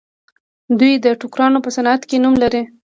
دوی د ټوکرانو په صنعت کې نوم لري.